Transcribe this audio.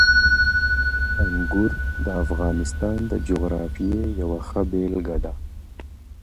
انګور د افغانستان د جغرافیې یوه ښه بېلګه ده.